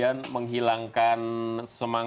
karena di sana juga hanya fising satu